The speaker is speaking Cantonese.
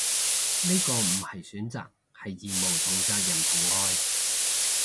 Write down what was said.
呢個唔係選擇，係義務同責任同愛